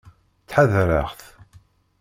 Ttḥadareɣ-t.